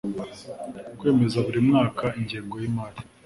kwemeza buri mwaka ingengo yimari